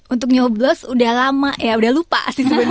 untuk nyoblos udah lama ya udah lupa sih sebenarnya